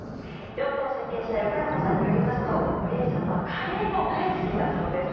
ヨットを設計した横山さんによりますと堀江さんはカレーが大好きだそうです。